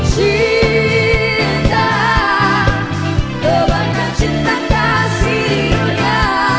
cinta doakan cinta kasih roda